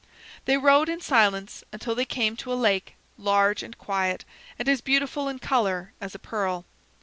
They rode in silence until they came to a lake, large and quiet, and as beautiful in color as a pearl.